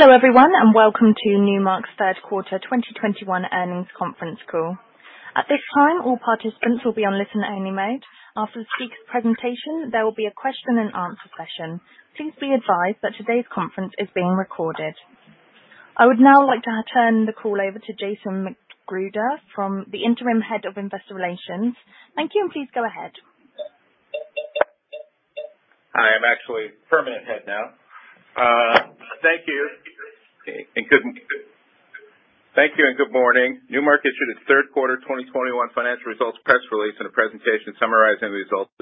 Hello everyone, and welcome to Newmark's Q3 2021 earnings conference call. At this time, all participants will be on listen-only mode. After the speaker presentation, there will be a question and answer session. Please be advised that today's conference is being recorded. I would now like to turn the call over to Jason McGruder from the Interim Head of Investor Relations. Thank you, and please go ahead. I am actually permanent head now. Thank you. Thank you, and good morning. Newmark issued its Q3 2021 financial results press release and a presentation summarizing the results.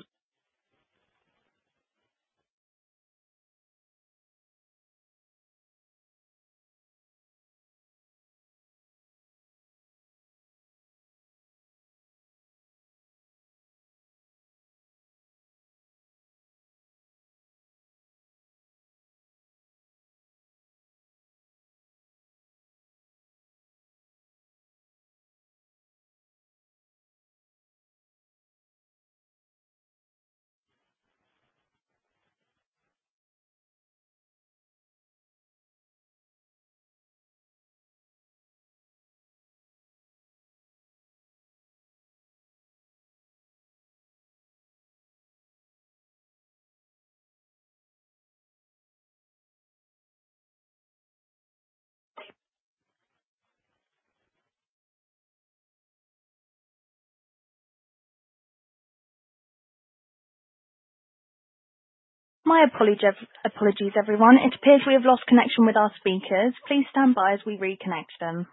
My apologies, everyone. It appears we have lost connection with our speakers. Please stand by as we reconnect them.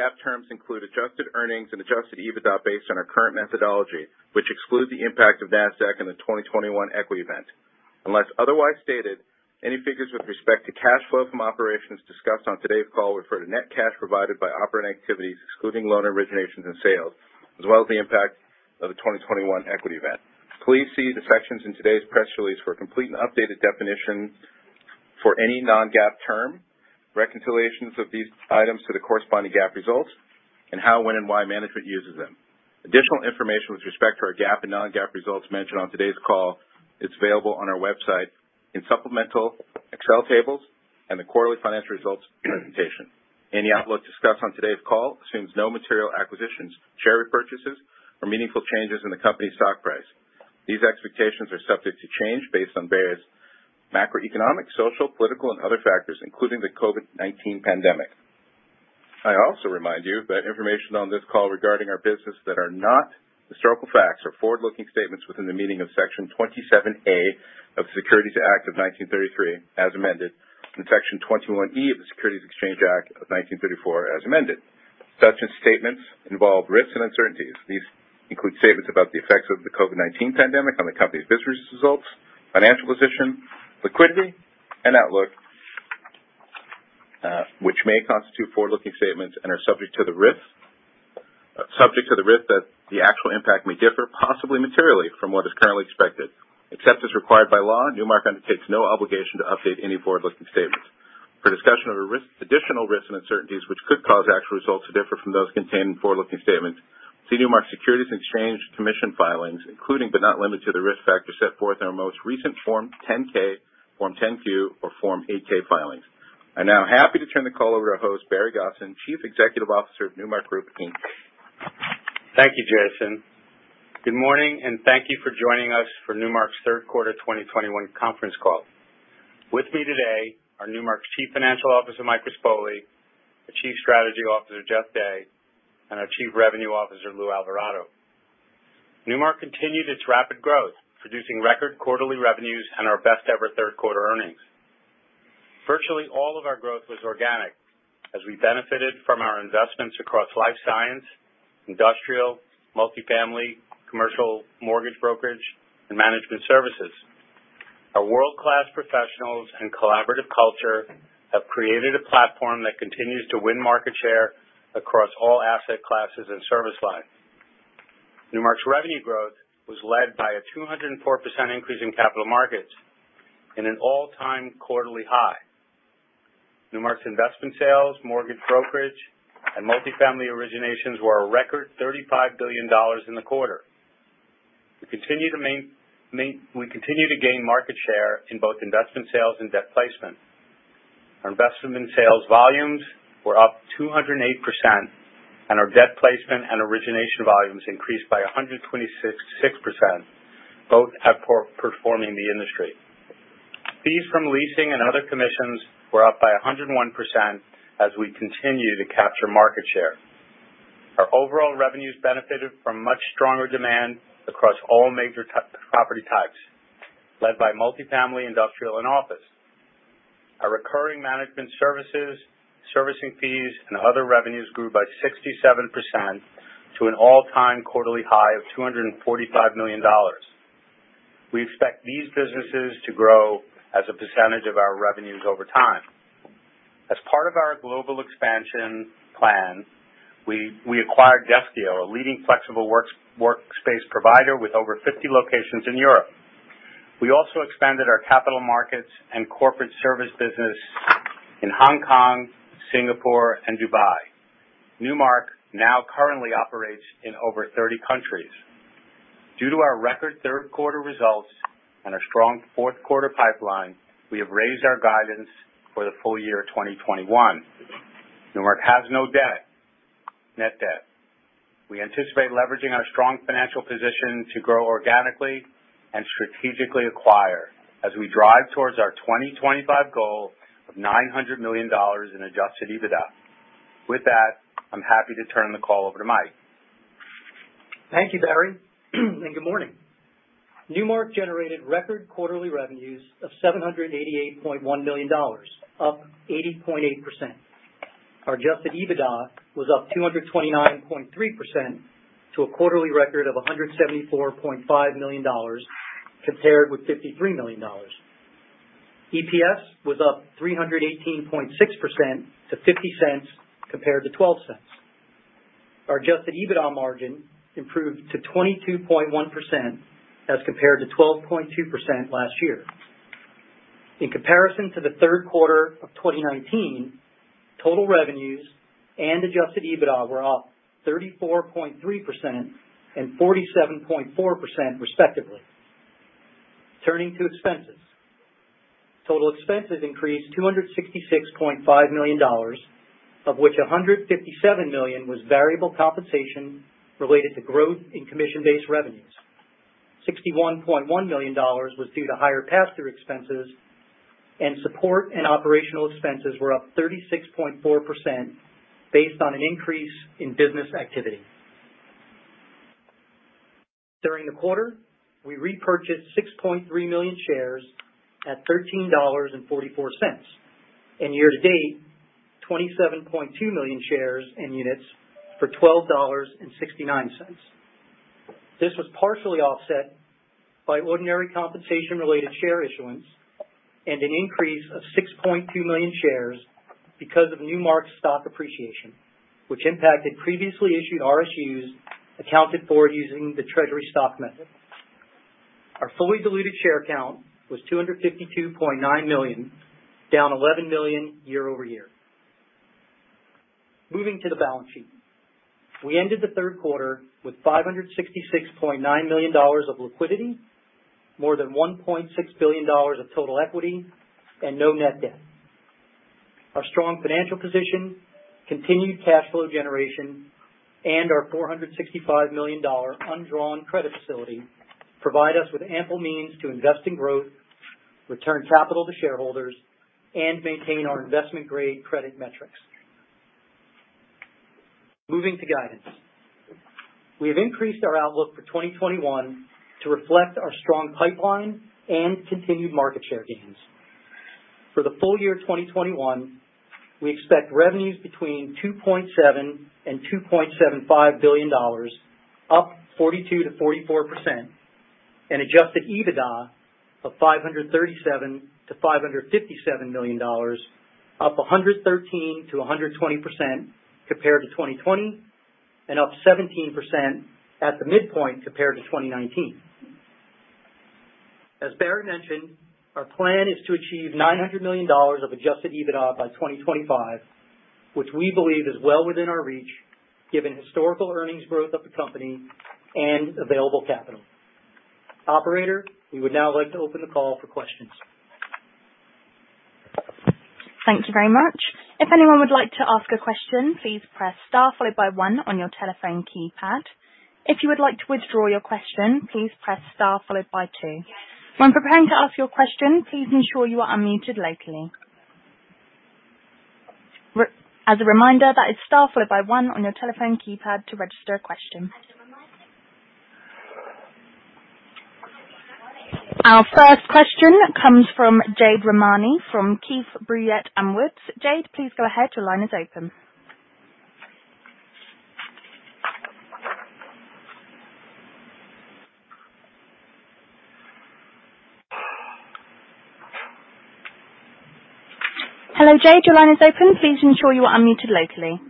GAAP terms include adjusted earnings and adjusted EBITDA based on our current methodology, which exclude the impact of Nasdaq in the 2021 equity event. Unless otherwise stated, any figures with respect to cash flow from operations discussed on today's call refer to net cash provided by operating activities, excluding loan originations and sales, as well as the impact of the 2021 equity event. Please see the sections in today's press release for a complete and updated definition for any non-GAAP term, reconciliations of these items to the corresponding GAAP results, and how, when, and why management uses them. Additional information with respect to our GAAP and non-GAAP results mentioned on today's call is available on our website in supplemental Excel tables and the quarterly financial results presentation. Any outlook discussed on today's call assumes no material acquisitions, share repurchases or meaningful changes in the company's stock price. These expectations are subject to change based on various macroeconomic, social, political and other factors, including the COVID-19 pandemic. I also remind you that information on this call regarding our business that are not historical facts are forward-looking statements within the meaning of Section 27A of the Securities Act of 1933 as amended and Section 21E of the Securities Exchange Act of 1934 as amended. Such statements involve risks and uncertainties. These include statements about the effects of the COVID-19 pandemic on the company's business results, financial position, liquidity, and outlook, which may constitute forward-looking statements and are subject to the risk that the actual impact may differ, possibly materially, from what is currently expected. Except as required by law, Newmark undertakes no obligation to update any forward-looking statements. For discussion of the risk, additional risks and uncertainties which could cause actual results to differ from those contained in forward-looking statements, see Newmark's Securities and Exchange Commission filings, including but not limited to the risk factors set forth in our most recent Form 10-K, Form 10-Q, or Form 8-K filings. I'm now happy to turn the call over to host Barry Gosin, Chief Executive Officer of Newmark Group, Inc. Thank you, Jason. Good morning, and thank you for joining us for Newmark's Q3 2021 conference call. With me today are Newmark's Chief Financial Officer, Mike Rispoli, the Chief Strategy Officer, Jeff Day, and our Chief Revenue Officer, Luis Alvarado. Newmark continued its rapid growth, producing record quarterly revenues and our best ever Q3 earnings. Virtually all of our growth was organic as we benefited from our investments across life science, industrial, multifamily, commercial mortgage brokerage, and management services. Our world-class professionals and collaborative culture have created a platform that continues to win market share across all asset classes and service lines. Newmark's revenue growth was led by a 204% increase in capital markets to an all-time quarterly high. Newmark's investment sales, mortgage brokerage, and multifamily originations were a record $35 billion in the quarter. We continue to gain market share in both investment sales and debt placement. Our investment sales volumes were up 208%, and our debt placement and origination volumes increased by 126.6%, both outperforming the industry. Fees from leasing and other commissions were up by 101% as we continue to capture market share. Our overall revenues benefited from much stronger demand across all major property types, led by multifamily, industrial, and office. Our recurring management services, servicing fees, and other revenues grew by 67% to an all-time quarterly high of $245 million. We expect these businesses to grow as a percentage of our revenues over time. As part of our global expansion plan, we acquired Deskeo, a leading flexible workspace provider with over 50 locations in Europe. We also expanded our capital markets and corporate service business in Hong Kong, Singapore, and Dubai. Newmark now currently operates in over 30 countries. Due to our record Q3 results and our strong fourth quarter pipeline, we have raised our guidance for the full year 2021. Newmark has no net debt. We anticipate leveraging our strong financial position to grow organically and strategically acquire as we drive towards our 2025 goal of $900 million in adjusted EBITDA. With that, I'm happy to turn the call over to Mike. Thank you, Barry, and good morning. Newmark generated record quarterly revenues of $788.1 million, up 80.8%. Our adjusted EBITDA was up 229.3% to a quarterly record of $174.5 million, compared with $53 million. EPS was up 318.6% to $0.50, compared to $0.12. Our adjusted EBITDA margin improved to 22.1% as compared to 12.2% last year. In comparison to the Q3 of 2019, total revenues and adjusted EBITDA were up 34.3% and 47.4% respectively. Turning to expenses. Total expenses increased $266.5 million, of which $157 million was variable compensation related to growth in commission-based revenues. $61.1 million was due to higher pass-through expenses, and support and operational expenses were up 36.4% based on an increase in business activity. During the quarter, we repurchased 6.3 million shares at $13.44. Year to date, 27.2 million shares and units for $12.69. This was partially offset by ordinary compensation-related share issuance and an increase of 6.2 million shares because of Newmark's stock appreciation, which impacted previously issued RSUs accounted for using the treasury stock method. Our fully diluted share count was 252.9 million, down 11 million year-over-year. Moving to the balance sheet. We ended the Q3 with $566.9 million of liquidity, more than $1.6 billion of total equity, and no net debt. Our strong financial position, continued cash flow generation, and our $465 million undrawn credit facility provide us with ample means to invest in growth, return capital to shareholders, and maintain our investment-grade credit metrics. Moving to guidance. We have increased our outlook for 2021 to reflect our strong pipeline and continued market share gains. For the full year 2021, we expect revenues between $2.7 billion and $2.75 billion, up 42%-44% and adjusted EBITDA of $537 million-$557 million, up 113%-120% compared to 2020 and up 17% at the midpoint compared to 2019. As Bar mentioned, our plan is to achieve $900 million of adjusted EBITDA by 2025, which we believe is well within our reach given historical earnings growth of the company and available capital. Operator, we would now like to open the call for questions. Thank you very much. If anyone would like to ask a question, please press star followed by one on your telephone keypad. If you would like to withdraw your question, please press star followed by two. When preparing to ask your question, please ensure you are unmuted locally. As a reminder, that is star followed by one on your telephone keypad to register a question. Our first question comes from Jade Rahmani from Keefe, Bruyette & Woods. Jade, please go ahead. Your line is open. Hello, Jade. Your line is open. Please ensure you are unmuted locally.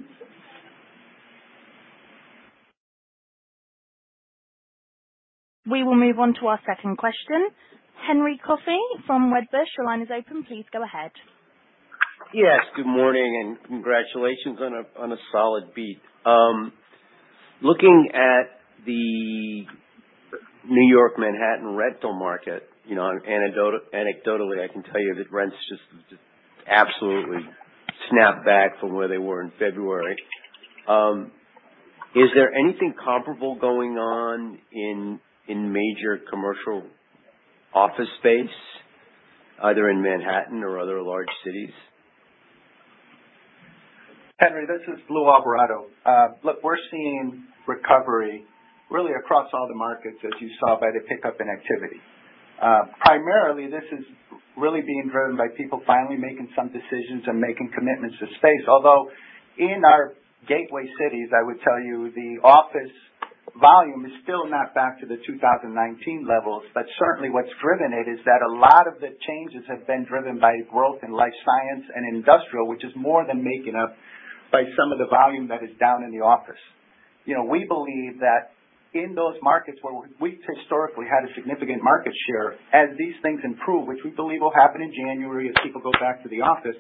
We will move on to our second question. Henry Coffey from Wedbush, your line is open. Please go ahead. Yes, good morning and congratulations on a solid beat. Looking at the New York Manhattan rental market, you know, anecdotally, I can tell you that rents just absolutely snap back from where they were in February. Is there anything comparable going on in major commercial office space, either in Manhattan or other large cities? Henry, this is Luis Alvarado. Look, we're seeing recovery really across all the markets, as you saw by the pickup in activity. Primarily, this is really being driven by people finally making some decisions and making commitments to space. Although in our gateway cities, I would tell you the office volume is still not back to the 2019 levels. Certainly, what's driven it is that a lot of the changes have been driven by growth in life science and industrial, which is more than making up for some of the volume that is down in the office. You know, we believe that in those markets where we've historically had a significant market share, as these things improve, which we believe will happen in January as people go back to the office,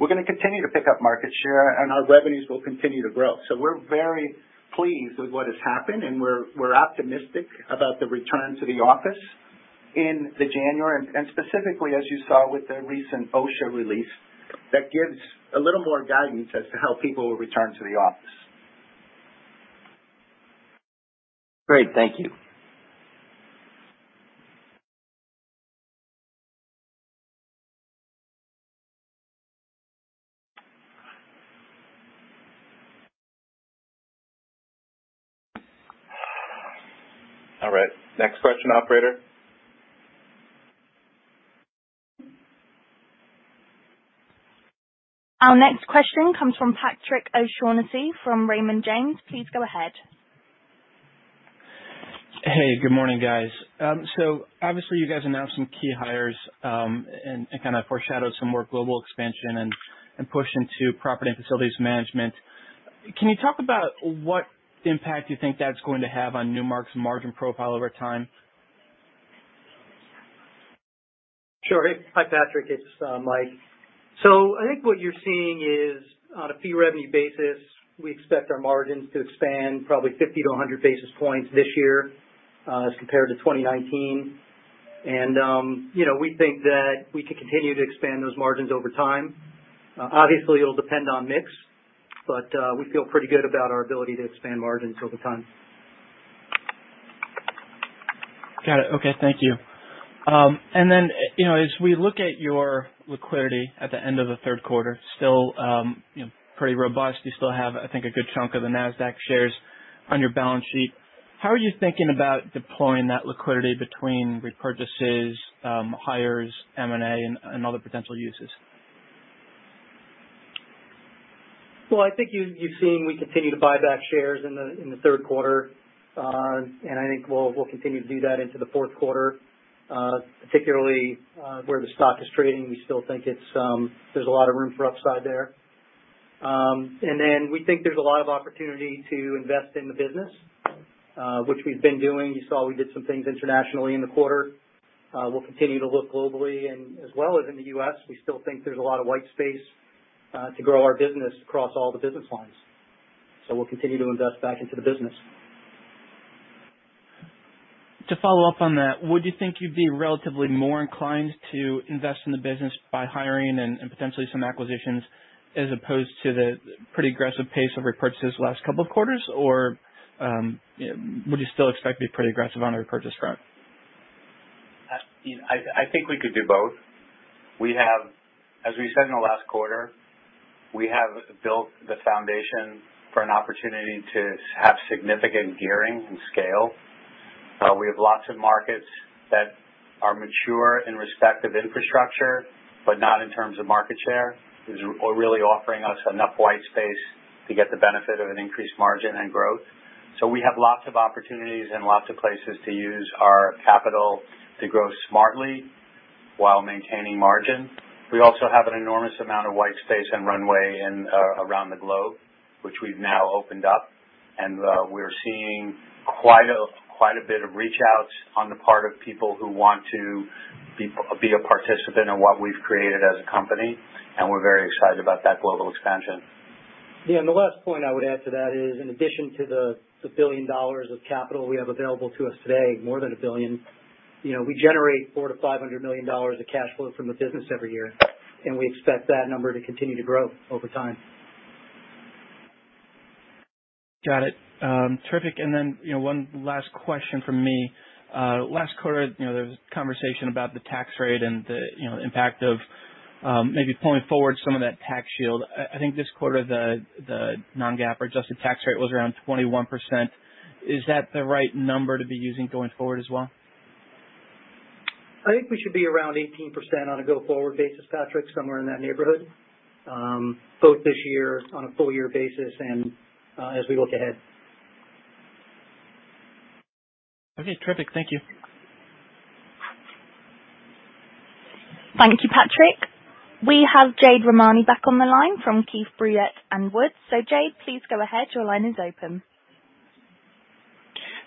we're going to continue to pick up market share and our revenues will continue to grow. We're very pleased with what has happened, and we're optimistic about the return to the office in January. Specifically, as you saw with the recent OSHA release, that gives a little more guidance as to how people will return to the office. Great. Thank you. All right, next question, operator. Our next question comes from Patrick O'Shaughnessy from Raymond James. Please go ahead. Hey, good morning, guys. Obviously you guys announced some key hires, and kind of foreshadowed some more global expansion and push into property and facilities management. Can you talk about what impact you think that's going to have on Newmark's margin profile over time? Sure. Hey. Hi, Patrick. It's Mike. I think what you're seeing is on a fee revenue basis, we expect our margins to expand probably 50-100 basis points this year, as compared to 2019. You know, we think that we can continue to expand those margins over time. Obviously, it'll depend on mix, but we feel pretty good about our ability to expand margins over time. Got it. Okay. Thank you. You know, as we look at your liquidity at the end of the Q3, still, you know, pretty robust. You still have, I think, a good chunk of the Nasdaq shares on your balance sheet. How are you thinking about deploying that liquidity between repurchases, hires, M&A, and other potential uses? Well, I think you've seen we continue to buy back shares in the Q3. I think we'll continue to do that into the fourth quarter, particularly where the stock is trading. We still think there's a lot of room for upside there. We think there's a lot of opportunity to invest in the business, which we've been doing. You saw we did some things internationally in the quarter. We'll continue to look globally and as well as in the U.S. We still think there's a lot of white space to grow our business across all the business lines. We'll continue to invest back into the business. To follow up on that, would you think you'd be relatively more inclined to invest in the business by hiring and potentially some acquisitions as opposed to the pretty aggressive pace of repurchases last couple of quarters? Or, would you still expect to be pretty aggressive on the repurchase front? I think we could do both. As we said in the last quarter, we have built the foundation for an opportunity to have significant gearing and scale. We have lots of markets that are mature in respect of infrastructure, but not in terms of market share, really offering us enough white space to get the benefit of an increased margin and growth. We have lots of opportunities and lots of places to use our capital to grow smartly while maintaining margin. We also have an enormous amount of white space and runway in, around the globe, which we've now opened up, and we're seeing quite a bit of reach-outs on the part of people who want to be a participant in what we've created as a company, and we're very excited about that global expansion. Yeah, the last point I would add to that is, in addition to the $1 billion of capital we have available to us today, more than $1 billion, you know, we generate $400 million-$500 million of cash flow from the business every year, and we expect that number to continue to grow over time. Got it. Terrific. You know, one last question from me. Last quarter, you know, there was conversation about the tax rate and the, you know, impact of, maybe pulling forward some of that tax shield. I think this quarter, the non-GAAP adjusted tax rate was around 21%. Is that the right number to be using going forward as well? I think we should be around 18% on a go-forward basis, Patrick, somewhere in that neighborhood, both this year on a full year basis and, as we look ahead. Okay. Terrific. Thank you. Thank you, Patrick. We have Jade Rahmani back on the line from Keefe, Bruyette & Woods. Jade, please go ahead. Your line is open.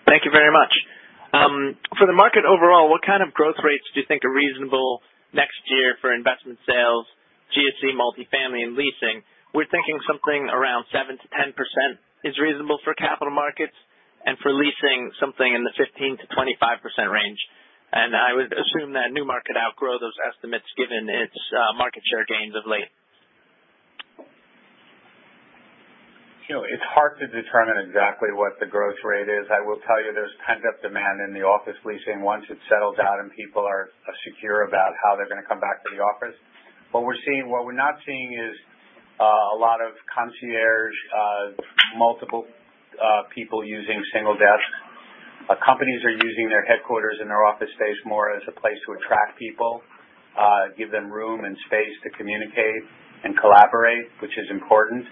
Thank you very much. For the market overall, what kind of growth rates do you think are reasonable next year for investment sales, GSE, multifamily, and leasing? We're thinking something around 7%-10% is reasonable for capital markets and for leasing something in the 15%-25% range. I would assume that Newmark would outgrow those estimates given its market share gains of late. You know, it's hard to determine exactly what the growth rate is. I will tell you there's pent-up demand in the office leasing once it's settled down and people are secure about how they're going to come back to the office. What we're seeing. What we're not seeing is a lot of concierge multiple people using single desks. Companies are using their headquarters in their office space more as a place to attract people, give them room and space to communicate and collaborate, which is important.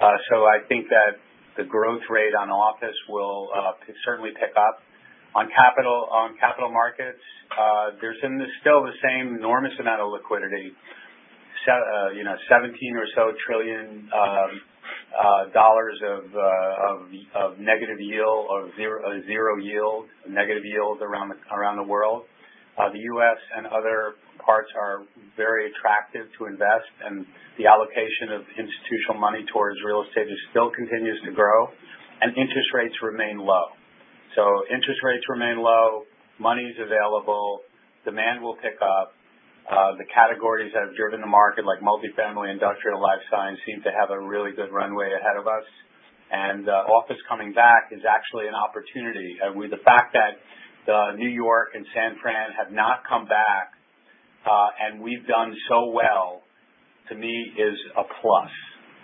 I think that the growth rate on office will certainly pick up. On capital markets, there's still the same enormous amount of liquidity. You know, $17 trillion or so of negative yield or zero yield, negative yields around the world. The U.S. and other parts are very attractive to invest, and the allocation of institutional money towards real estate just still continues to grow, and interest rates remain low. Interest rates remain low, money is available, demand will pick up. The categories that have driven the market, like multifamily, industrial, life science, seem to have a really good runway ahead of us. Office coming back is actually an opportunity. With the fact that New York and San Francisco have not come back, and we've done so well, to me is a plus.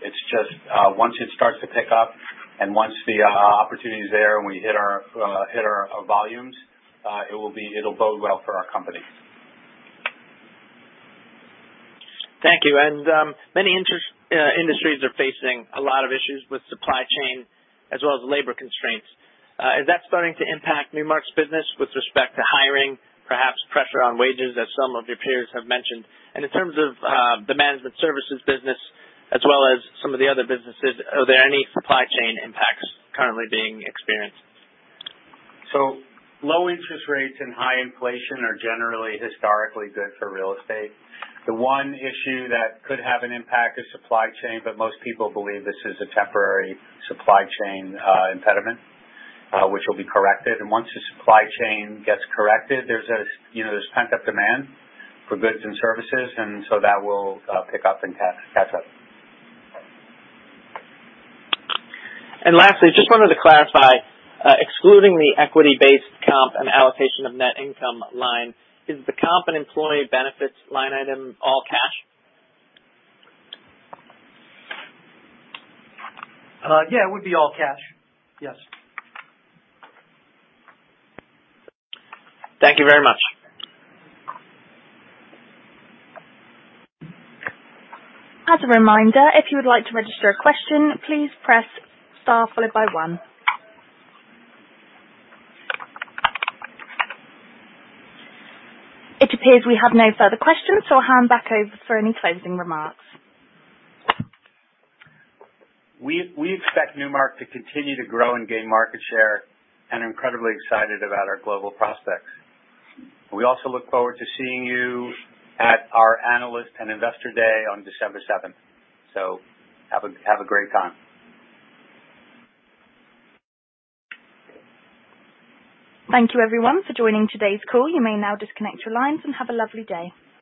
It's just once it starts to pick up and once the opportunity is there and we hit our volumes, it'll bode well for our company. Thank you. Many industries are facing a lot of issues with supply chain as well as labor constraints. Is that starting to impact Newmark's business with respect to hiring, perhaps pressure on wages as some of your peers have mentioned? In terms of the management services business as well as some of the other businesses, are there any supply chain impacts currently being experienced? Low interest rates and high inflation are generally historically good for real estate. The one issue that could have an impact is supply chain, but most people believe this is a temporary supply chain impediment which will be corrected. Once the supply chain gets corrected, you know, there's pent-up demand for goods and services and so that will pick up and catch up. Lastly, just wanted to clarify, excluding the equity-based comp and allocation of net income line, is the comp and employee benefits line item all cash? Yeah, it would be all cash. Yes. Thank you very much. As a reminder, if you would like to register a question, please press star followed by one. It appears we have no further questions, so I'll hand back over for any closing remarks. We expect Newmark to continue to grow and gain market share and we are incredibly excited about our global prospects. We also look forward to seeing you at our Analyst and Investor Day on December 7th. Have a great time. Thank you everyone for joining today's call. You may now disconnect your lines and have a lovely day.